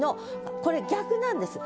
これ逆なんです